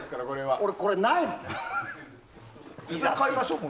俺、これないもん。